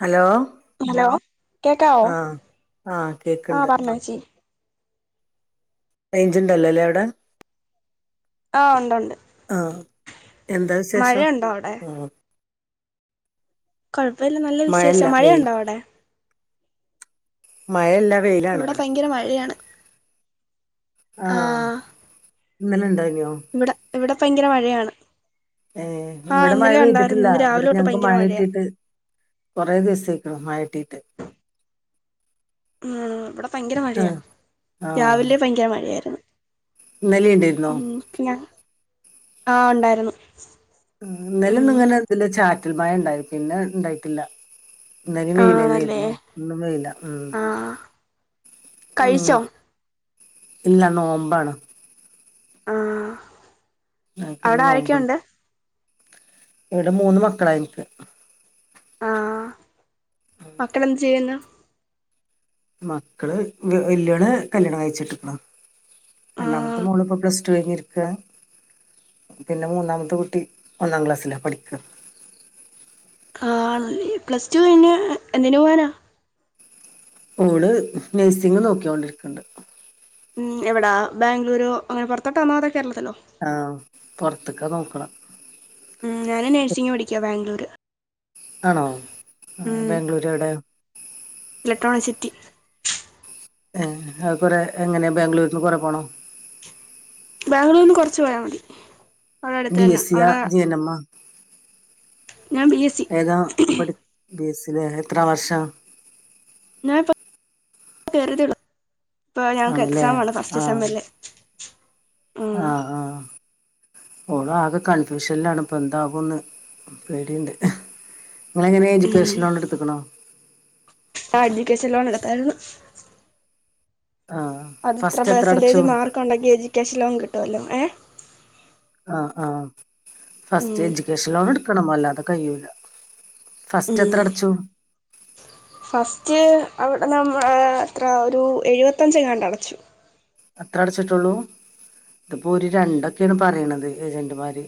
Hello hello കേക്കാവോ ആഹ് ആഹ് ആഹ് കേക്ക്ണ്ട് പറഞ്ഞോച്ചി റെയ്ഞ്ച് ഉണ്ടല്ലോ അല്ലേ അവിടെ ആഹ് ഉണ്ട് ഉണ്ട് ആഹ് എന്താ വിശേഷം മഴയുണ്ടോ അവിടെ കുഴപ്പമില്ലാ നല്ല മഴല്ല വിശേഷം വെയില് മഴയുണ്ടോ അവിടെ മയല്ല ഇവിടെ ഭയങ്കര മഴയാണ് ആഹ് ഇന്നലെ ഇണ്ടായ് ഇവിടെ ഇവിടെ ഭയങ്കര മഴയാണ് ഏ ആ ഇവിടെ മഴ ഇന്നലെ ഉണ്ടായിരുന്നു പെയ്തിട്ടില്ല ഇന്ന് രാവിലെ ഇവിടെ തൊട്ട് ഞങ്ങക്ക് ഭയങ്കര മഴ മഴയാ കിട്ടിട്ട് കുറെ ദിവസായ്ക്ണ് മയകിട്ടീട്ട് ഉം ഇവിടെ ഭയങ്കര മഴയാ രാവിലെ ഭയങ്കര മഴയായിരുന്നു ഇന്നലിണ്ടേര്ന്നോ ആഹ് ഉണ്ടായിരുന്നു ഉം ഇന്നലുംന്ന ഇങ്ങനെ ഇതില് ചാറ്റൽ മഴ ഉണ്ടായി പിന്നെ ഇണ്ടായിട്ടില്ല ഇന്നെലിം ആണല്ലേ വെയിലന്നേര്ന്നു ഇന്നും വെയില ഉം ആ ഉം കഴിച്ചോ ഇല്ല നോമ്പാണ് ആഹ് ഞങ്ങക്ക് ന്ന് നോമ്പ്ണ്ട് ഇവിടെ മൂന്ന് മക്കളായിൻക്ക് ആഹ് മക്കളെ ന്ത് ചെയ്യുന്നു മക്കള് വല്യോളെ കല്യാണം കഴിച്ചിട്ട് വിട്ടേക്കണു ആ രണ്ടാമത്തെ മോള്ഇപ്പൊ പ്ലസ് ടൂ കഴിഞ്ഞിരിക്കാ പിന്നെ മൂന്നാമത്തെ കുട്ടി ഒന്നാം ക്ലാസ്സിലാ പഠിക്ക ആ പ്ലസ് ടു കയ്ഞ്ഞ് എന്തിന് പോവാനാ ഓള് നഴ്സിങ് നോക്കിയോണ്ടിരിക്കണുണ്ട് ഉം എവിടാ ബാംഗളൂരോ അങ്ങനെ പുറത്തോട്ടാണോ അതോ കേരളത്തിലോ ആ പൊറത്തേക്കാ നോക്കെണ ഉം ഞാനും നേഴ്സിംഗ് പഠിക്കാ ബാംഗ്ലൂര് ആണോ ആഹ് ഉം ബാംഗ്ലൂര് എവിടെ ഇലക്ട്രോണിക്സിറ്റി ഏ അത് കുറെ എങ്ങനെയാ ബാംഗ്ലൂർന്ന് കൊറെ പോണോ ബാംഗ്ലൂരിന്ന് കൊറച്ച് പോയാ മതി അവിടെ അടുത്ത് ബി തന്നാ എസ് സിയാ അവിടെ ജി എൻ എമ്മാ ഞാൻ ബി എസ് സി ഏതാ പഠി ബി എസ് സി അല്ലേ എത്രാം വർഷം ഞാൻ ഇപ്പോ കേറിയതെ ഉള്ളു ഇപ്പൊ ഞങ്ങക്ക് ആണ്ല്ലേ എക്സാം ആണ് ഫസ്റ്റ് സെമ്മിലെ ആ ആ ഓള് ആകെ കൺഫ്യൂഷനിലാണ് ഇപ്പൊ എന്താകൂന്ന് പേടിയുണ്ട് നിങ്ങളെങ്ങനെ ഉം എഡ്യൂക്കേഷൻ ലോൺ എടുത്തുക്കണോ ആ എജുക്കേഷൻ ലോൺ എടുത്താരുന്നു ആ അതിത്ര ഫസ്റ്റ് എത്ര അടച്ചു പെർസെന്റേജ് മാർക്ക് ഉണ്ടെങ്കി എഡ്യൂക്കേഷൻ ലോൺ കിട്ടുവല്ലോ ഏ ആ ആ ഉം ഫസ്റ്റ് എജ്യൂക്കേഷൻ ലോൺ എടുക്കണം അല്ലാതെ കൈയൂല ഉം ഫസ്റ്റ് അവിടെ നമ്മ എത്ര ഒരു എഴുപത്തഞ്ച് എങ്ങാണ്ട് അടച്ചു അത്ര അടച്ചിട്ടുള്ളൂ ഇതിപ്പോ ഒരു രണ്ടൊക്കെയാണ് പറയണത് ഏജന്റുമാര്.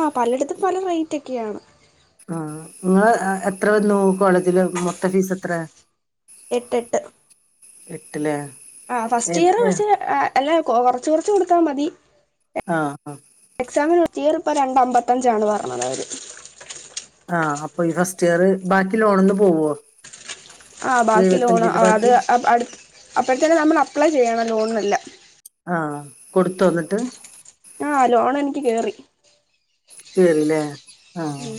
ആ പലടത്തും പല റേറ്റൊക്കെയാണ് ആ നിങ്ങള് എത്ര വന്നു കോളേജില് മൊത്തം ഫീസ് എത്രയാ? എട്ട് എട്ട് എട്ടല്ലേ? ആ ഫസ്റ്റ് ഇയർ പക്ഷെ അല്ലാ കൊറച്ച് കൊറച്ച് കൊടുത്താ മതി. ആ ആ എക്സാമിന് ഫസ്റ്റ് ഇയർ ഇപ്പോ രണ്ട് അമ്പത്തഞ്ചാണ് പറഞ്ഞതവര് ആ അപ്പൊ ഈ ഫസ്റ്റ് ഇയർ ബാക്കി ലോണീന്ന് പോവോ? ആ ബാക്കി ലോണ് എഴുപത്തഞ്ചിന്റെ അത് ബാക്കി അടു അപ്പഴത്തേനും നമ്മൾ അപ്ലൈ ചെയ്യണം ലോണിനെല്ലാം ആ കൊടുത്തു വന്നിട്ട്? ട്ടിക്ക് കയറി കേറിയല്ലേ ഉം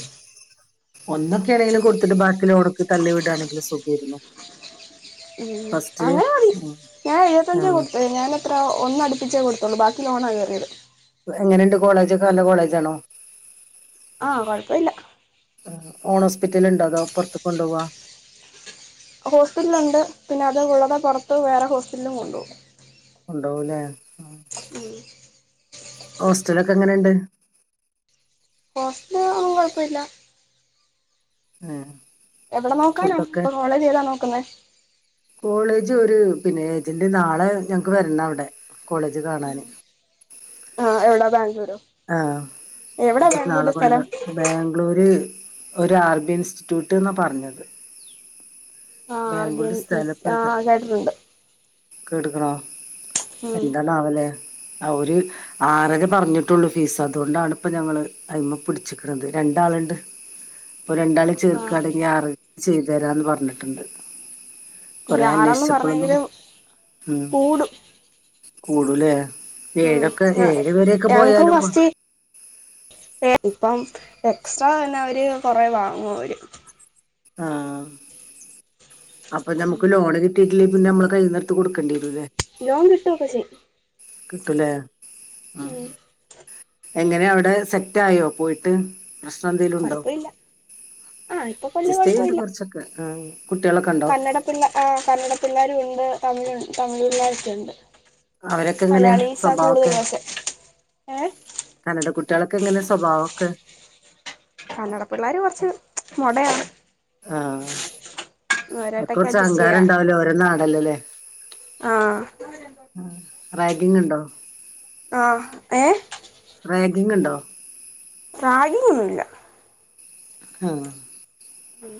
ഒന്നൊക്കെ ആണെങ്കിലും കൊടുത്തിട്ട് ബാക്കിയുള്ളത് ഉടക്ക് തള്ളി വീടുകയാണെങ്കിലും സുഖവായിരുന്നു ഉം അങ്ങനെ മതി ഞാൻ എഴുപത്തഞ്ചേ ആഹ് കൊടുത്ത് ഞാൻ എത്ര ഒന്ന് അടുപ്പിച്ചേ കൊടുത്തുള്ളൂ ബാക്കി ലോണാ കയറിയത് എങ്ങനെയുണ്ട് കോളേജൊക്കെ നല്ല കോളേജാണോ? ആ കൊഴപ്പവില്ല. ഓൺ ഹോസ്പിറ്റല് ഇണ്ടോ അതോ പുറത്ത് കൊണ്ടു പോവ? ഹോസ്പിസ്റ്റലുണ്ട് പിന്നെ അത് കൂടാതെ പുറത്ത് വേറെ ഹോസ്പിസ്റ്റലിലും കൊണ്ടുപോകും കൊണ്ട്പോവൂല്ലേ ഉം ഹോസ്റ്റലൊക്കെ എങ്ങനെ ഉണ്ട്? ഹോസ്റ്റല് ഒന്നും കുഴപ്പമില്ല ആ [unintelligible] എവിടെ നോക്കാനാ ഇപ്പൊ കോളേജ് ഏതാ നോക്കുന്നേ കോളേജ് ഒരു പിന്നെ ഏജന്റ് നാളെ ഞങ്ങക്ക് വരണുണ്ട് അവിടെ കോളേജ് കാണാന് ആ എവിടാ ബാംഗ്ലൂരോ ആ എവിടാ നാളെ ബാംഗ്ലൂര് കൊണ്ടെന്ന് സ്ഥലം ബാംഗ്ലൂര് ഒരു അറബി ഇൻസ്റ്റിറ്റ്യൂട്ട് എന്നാ പറഞ്ഞത് ആ ആർ ഡി എൻ ബാംഗ്ലൂര് ആ സ്ഥലപ്പേതാ കേട്ടട്ടുണ്ട്. എന്താണാവല്? ആ ഒരു ആറര പറഞ്ഞിട്ടുള്ളു ഫീസ്. അതുകൊണ്ടാണ് ഇപ്പ ഞങ്ങള് അമ്മ പിടിച്ചിക്കുന്നത് രണ്ട് ഡാലൻഡ്. അപ്പൊ രണ്ടാളും ആ ചേർക്കണെങ്കി ആറ് ചെയ്തുതരാന്ന് പറഞ്ഞിട്ടുണ്ട്. ഈ കൊറെ ആറെന്ന് അന്വേശിച്ചപ്പളും ഉം പറഞ്ഞെങ്കിലും കൂടും കൂടുമില്ലേ ഉ ഞങ്ങക്കും കൊ ഫസ്റ്റ് ഇപ്പം എക്സ്ട്രാ തന്നെ അവര് കുറെ വാങ്ങും അവര്. ആഹ അപ്പൊ നമുക്ക് ലോണ് കിട്ടി അല്ലേ പിന്നെ നമ്മ കൈയിൽ നിന്ന് എടുത്തു കൊടുക്കണ്ട വരല്ലേ ലോൺ കിട്ടുമൊക്ക ചെയ്യും കിട്ടും ഇല്ലേ ഉ [unintelligible] എങ്ങനെ അവിടെ സെറ്റ് ആയോ പോയിട്ട് പ്രശ്ന എന്തേലുണ്ടോ കൊഴപ്പമില്ല ആ ഇപ്പൊ ജസ്റ്റേ ഉണ്ട് കൊറച്ചൊക്കെ ആ കന്നട പിള്ള ആ കന്നട പിള്ളേരും ഉണ്ട് തമിഴ് തമിഴ്ള്ളേർ ഒക്കെ ഉണ്ട് അവരൊക്കെ എങ്ങനെ മലയാളീസാ കൂടുതൽ സ്വഭാവമൊക്കെ പക്ഷെ ഏ കന്നട കുട്ട- കുട്ടികൾ ഒക്കെ എങ്ങനെ സ്വഭാവമൊക്കെ കന്നട പിള്ളേർ കുറച്ച് മുടയാണ് ആ അവരായിട്ടൊക്കെ കുറച്ച് അഹങ്കാരം ഉണ്ടാവലോ ഓരോ നാടല്ലല്ലേ ആ റാഗിംങ് ഉണ്ടോ ആ ഏ റാഗിങ് ഉണ്ടോ റാഗിങ് ഒന്നുമില്ല ആ ഉം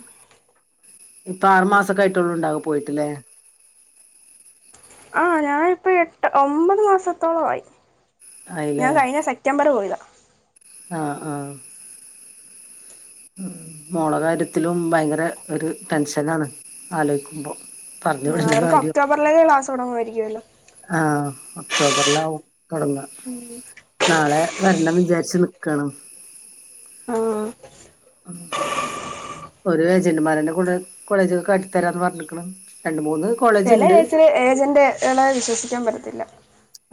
ഇപ്പൊ ആറുമാസക്കെ ആയിട്ടു ഉണ്ടാകൂ പോയിട്ടില്ലേ ആ ഞാനിപ്പോ എട്ട് ഒമ്പത് മാസത്തോളമായി ഞാൻ കഴിഞ്ഞ സെപ്റ്റംബർ പോയതാണ് ആ ആ മോളുടെ കാര്യത്തിലും ഭയങ്കര ഒരു ടെൻഷനാണ് ആലോചിക്കുമ്പോൾ അവർക്ക് ഒക്ടോബറിലേക്ക് ക്ലാസ് തുടങ്ങുമായിരിക്കുമല്ലോ ആ ഒക്ടോബറിലാവും തുടങ്ങുവാ നാളെ വരണം വിചാരിച്ചെന്ന് ആഹ് [inaudible] ഒരു ഏജന്റുമാരെ കൊണ്ട് കോളേജ് കാട്ടിത്തരാന്ന് പറഞ്ഞക്കേണ് ചില ഏജൻ്റകളെ വിശ്വാസിക്കാൻ പറ്റത്തില്ല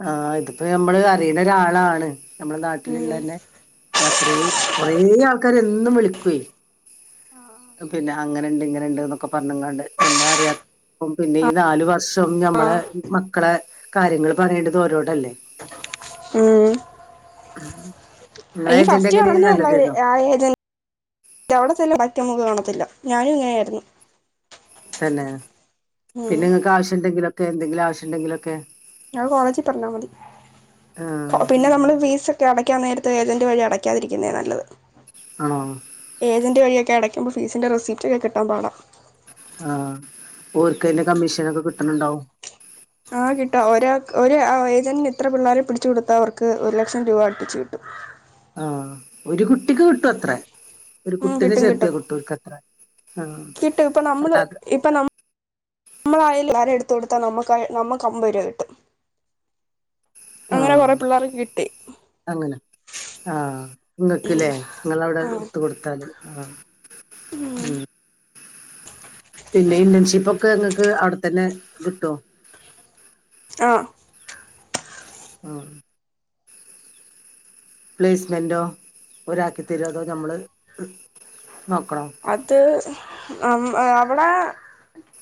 ആ ഇതിപ്പോ നമ്മൾ അറിയുന്ന ഒരാളാണ് നമ്മളെ ഉം നാട്ടിലുള്ളന്നെ അത്രയും കുറേ ആൾക്കാർ എന്നും വിളിക്കുവേ പിന്നെ അങ്ങനെയുണ്ട് ഇങ്ങനെയുണ്ട് എന്നൊക്കെ പറഞ്ഞങ്ങാണ്ട് നമ്മൾ അറിയാത്ത പിന്നെ ഈ നാല് വർഷം നമ്മൾ മക്കളെ കാര്യങ്ങൾ പറയേണ്ടത് അവരോടല്ലേ ഉം ആ ഈ ഫസ്റ്റ് കാണുന്നുള്ള അവർ ഏജ [inaudible] [inaudible] ഞാനും ഇങ്ങനെ ആയിരുന്നു തന്നെ പിന്നെ നിങ്ങൾക്ക് ആവശ്യമുണ്ടെങ്കിലൊക്കെ എന്തെങ്കിലും ആവശ്യമുണ്ടെങ്കിലൊക്കെ ഞാൻ കോളേജിൽ പറഞ്ഞാൽ മതി ആഹ് പിന്നെ നമ്മൾ ഫീസ്- അടക്കാൻ നേരത്ത് ഏജന്റ് വഴി അടക്കാരിതിരിക്കുന്നേ നല്ലത് ആണോ ഏജന്റ് വഴി കടക്കുമ്പോ ഫീസിന്റെ റെസിപ്റ്റ് ഒക്കെ കിട്ടാൻ പാടാ ആ ഓർക്കെ കമ്മീഷൻ ഒക്കെ കിട്ടണുണ്ടാവും ആ കിട്ടാ ഒരു ഒരു ഏജന്റിന് ഇത്ര പിള്ളേരെ പിടിച്ചു കൊടുത്താ അവർക്ക് ഒരു ലക്ഷം രൂപ അടിപ്പിച്ചു കിട്ടും ആ ഒരു കുട്ടിക്ക് കിട്ടും അത്ര ഒരു ഉം കുട്ടിനെ കിട്ടും ചേർത്ത കിട്ടും അത്ര കിട്ടും ഇപ്പൊ നമ്മൾ ഇപ്പ നമ്മളായാലും ആരുംഎടുത്ത കൊടുത്ത നമ്മുക്ക് നമ്മുക്ക് അമ്പത് രൂപ കിട്ടും അങ്ങനെ കുറെ ആഹ് പിള്ളേർക്ക് കി അങ്ങനെ ആ നിങ്ങൾക്കില്ലേ നിങ്ങൾവിടെ ആഹ് എടുത്ത് കൊടുത്താൽ ആ ഉം പിന്നെ ഇന്റേൺഷിപ്പ് ഒക്കെ നിങ്ങൾക്ക് അവിടെത്തന്നെ കിട്ടോ ആ ആ പ്ലേസ്മെന്റോ അവരാക്കി തരുവോ നമ്മള് നോക്കണോ അത് [unintelligible] അവിടെ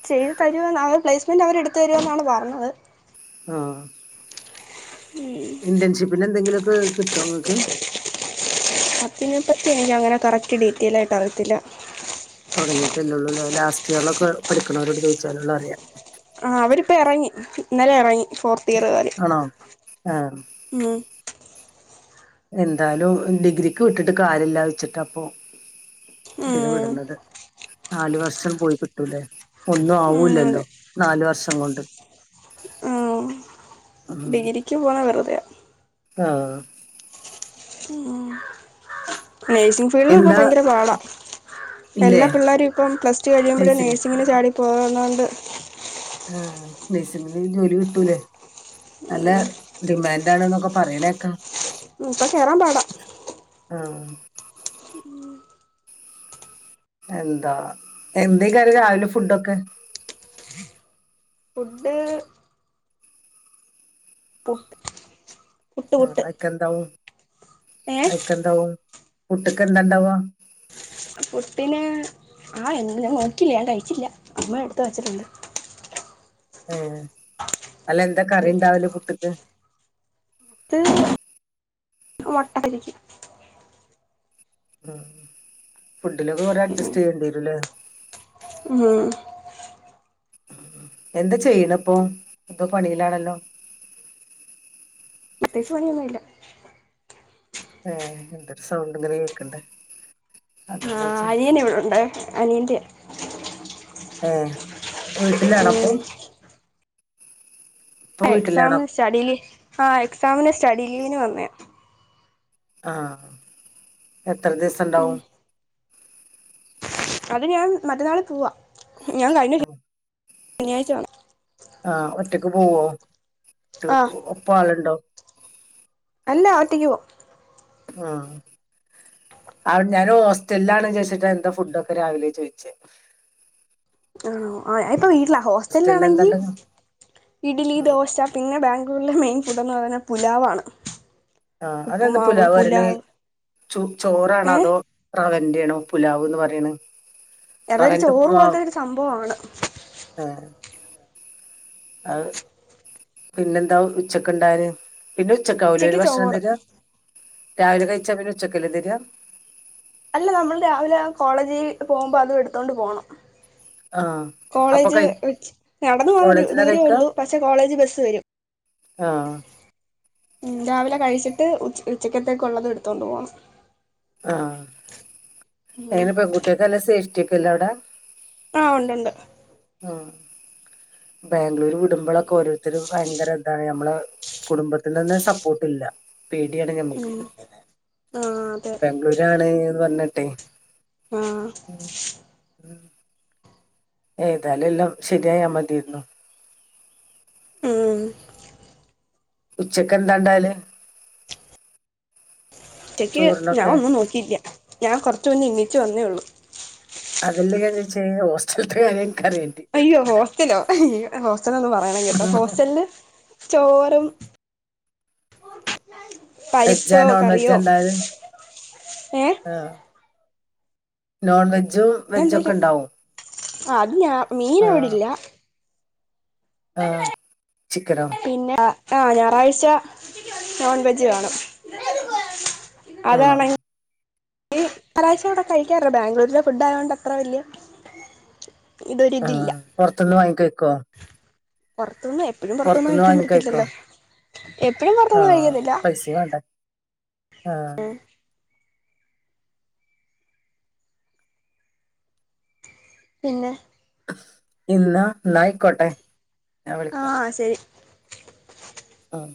ചെയ്തു തരും അവർ പ്ലേസ്മെന്റ് അവര് എടുത്ത് തരുമെന്നാണ് പറഞ്ഞത് ആ ഇന്റേൺഷിപ്പിന് എന്തെങ്കിലുമൊക്കെ കിട്ടോ നിങ്ങക്ക് അപ്പ [unintelligible] നെപ്പറ്റി എനി അങ്ങനെ കറക്റ്റ് ഡീറ്റെയിൽ ആയിട്ട് അറിയത്തില്ല തുടങ്ങിയിട്ടല്ലേള്ളൂ ലാസ്റ്റ് ഇയറിലക്കെ പഠിക്കണോരോട്ക്കെ ചോയ്ച്ചാലൊള്ളൂ അറിയാ ആ അവരിപ്പ എറങ്ങി ഇന്നലെ എറങ്ങി ഫോർത്ത് ഇയറ്കാര് ആണോ ഉം എന്താലും ഡിഗ്രിക്ക് വിട്ടിട്ട് കാര്യല്ലാ വച്ചിട്ടാപ്പൊ ഇതിനു ഉം വിടുന്നത് നാലു വർഷം പോയി കിട്ടൂലേ ഒന്നും ഉം ആവൂല്ലല്ലോ അതെ നാല് വർഷം കൊണ്ട് ആ ഡിഗ്രിക്ക് പോണ വെറുതെയാ ആ നേഴ്സിംഗ് ഫീൽഡിൽ ഇപ്പോ എന്താ ഭയങ്കര പാടാ ഇല്ലേ എല്ലാ പിള്ളേരും ഇപ്പം പ്ലസ് ടു കഴിയുമ്പഴേ നഴ്സിംഗ് നേഴ്സിങ്ങിന് ചാടി പോകുന്നോണ്ട് ആ നഴ്സിങ്ങിന് ജോലി കിട്ടൂലേ നല്ല ഡിമാൻഡ് ആണ് എന്നൊക്കെ പറിണേക്ക ഉം ഇപ്പ കയറാൻ പാടാ ആ എന്താ എന്തയ്ക്കാറി രാവിലെ ഫുഡൊക്കെ ഫുഡ് പുട്ട് പുട്ട് ആ പുട്ട് അയിക്കെന്താവും ഏ അയിക്കെന്താവും പുട്ട്ക്ക് എന്താണ്ടവാ പുട്ടിന് ആ എന്തുവാ ഞാൻ നോക്കില്ല ഞാൻ കഴിച്ചില്ല അമ്മ എടുത്ത് വെച്ചിട്ടുണ്ട് ഏ അല്ല എന്താ കറി ഉണ്ടാവല് പുട്ട്ക്ക് പുട്ട് മുട്ട [unintelligible] ഉം ഫുഡിലൊക്കെ കൊറേ അഡ്ജസ്റ്റ് ചെയ്യേണ്ടി വരുല്ലേ ഉം എന്താ ചെയ്യണ് ഇപ്പൊ എന്തോ പണിയിലാണല്ലോ പ്രത്യേകിച്ചു പണിയൊന്നുമില്ല ഏ എന്തൊരു സൗണ്ട് ഇതില് കേക്ക്ണ്ട് ആ അനിയൻ ഇവിടൊണ്ട് അനിയന്റെ ആ ഉം ഇപ്പൊ വീട്ടിലാണോ എക്സാമിന് സ്റ്റഡി ലീവ് ആ എക്സാമിന് സ്റ്റഡി ലീവിന് വന്നേ ആ എത്ര ഉം ദിവസണ്ടാവും അത് ഞാൻ മറ്റന്നാള് പോവാ ഞാൻ കഴിഞ്ഞ ആ ശനിയാഴ്ച വന്നെ ആ ഒറ്റക്ക് പോവോ ഒറ്റക്ക് ആഹ് ഒപ്പ ആളുണ്ടോ അല്ല ഒറ്റയ്ക്ക് പോവും ആ ആ ഞാൻ ഹോസ്റ്റലിലാണ് വിചാരിച്ചിട്ടാന്താ ഫുഡൊക്കെ രാവിലെ ചോയിച്ചേ ആ ആ ഇപ്പൊ വീട്ടിലാ ഹോസ്റ്റലിലാണെങ്കി എന്താണ്ട് ഇഡ്ലി ഉം ദോശ പിന്നെ ബാ ഗ്ലൂര്ലെ മെയിൻ ഫുഡെന്ന് പറയുന്നെ പുലാവാണ് ആ അതെന്താ ഉപ്പുമാവ് പുലാവ്റിണെ പുലാവ് ചൊ ചോറണോ ഏഹ് അതോ റവ ന്റെയാണോ പുലാവ് എന്ന് പറയ്ണെ അതൊരു ചോറ് പോലത്തെരു സംഭവാണ് ആ അത് പിന്നെന്താ ഉച്ചക്ക്ണ്ടാവല് പിന്നെ ഉച്ചക്കാവുലെ ഓര് ഉച്ചക്ക് ഭക്ഷണം ചോറ് തരാ രാവിലെ കഴിച്ചാ പിന്നെ ഉച്ചക്കല്ലെ തരാ അല്ല നമ്മള് രാവിലെ കോളേജിൽ പോകുമ്പോ അതും എടുത്തോണ്ട് പോണം ആ അപ്പൊ കോളേജ് കഴി ച്ച് നടന്നു പോവാ കോളേജിന്നാ ദൂരേ കഴിക്കാ ഉള്ളൂ പക്ഷെ കോളേജ് ബസ് വരും ആ മ് രാവിലെ കഴിച്ചിട്ട് ഉച്ച് ഉച്ചക്കത്തേക്കുള്ളത് എടുത്തൊണ്ട് പോണം ആ എങ്ങനെ പെൺകുട്ടിയക്കെല്ലാം സ്ഫേറ്റിയൊക്കല്ലെ അവിടെ ആ ഉണ്ട്ണ്ട് ആ ബാംഗ്ലൂര് വിടുമ്പോളൊക്കെ ഓരോരുത്തരും ഭയങ്കരതാണ് നമ്മളെ കുടുംബത്തിതന്നെ സപ്പോർട്ട്ല്ല പേടിയാണ് ഞമ്മുക്ക് ഉം ആഹ് അതെ അതെ ബാംഗ്ലൂരാണ്ന്ന് പറഞ്ഞ്ട്ടെ ആഹ് ഉം ഉം എതാലും എല്ലാം ശരിയായാമതിരുന്നു ഉം ഉച്ചക്ക് എന്താണ്ടാല് ഉച്ചക്ക് ഞാൻ ചോറിനൊക്കെ ഒന്നും നോക്കില്ല ഞാൻ കൊറച്ചു മുന്നേ എണീച്ച് വന്നേള്ളു ച്ചെ ഹോസ്റ്റല് [unintelligible] അയ്യോ ഹോസ്റ്റലോ ഹോസ്റ്റലൊന്നും പറയണെ കേട്ടോ ഹോസ്റ്റലില് ചോറും വെജാ പരിപ്പോ നോൺ കറിയോ വെജാണ്ടാവല് ഏഹ് ആ നോൺ വെജും അങ്ങനെ വെജും എന്തേലും ഒക്കെണ്ടാവും ആഹ് അത് ഞാ മീൻ ആ അവിടെ ഇല്ല ആഹ് ചിക്കനോ പിന്നെ ആ ആ ഞായറാഴ്ച നോൺ വെജ് വേണം ആ അതണെ ഇപ്രാവിശ്യം ഇവിടെ കഴിക്കാറ് ബാംഗ്ലൂരിലെ ഫുഡ് ആയോണ്ട് അത്ര വല്ല്യാ ആ പൊറത്ത്ന്ന് വാങ്ങിക്കയിക്കൊ പൊറ്ത്തുന്ന് എപ്പോഴും പൊറത്തുന്നു കഴിക്കാൻ പറ്റത്തില്ലല്ലോ എപ്പഴും ആ പൊറ്ത്തുന്ന് കഴിക്കത്തില്ല പൈസ വേണ്ട ആ ഉം പിന്നെ ഇന്നാ ന്നായിക്കോട്ടെ ആ ശരി ആഹ്